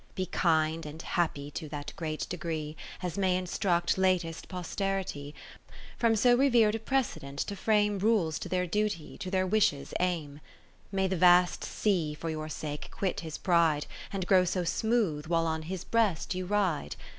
Be kind and happy to that great degree. As may instruct latest posterity, 40 From so rever'd a precedent ^ to frame Rules to their duty, to their wishes aim. May the vast sea for your sake quit his pride. And grow so smooth, while on his breast you ride.